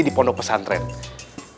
di pondok pesat rekunanta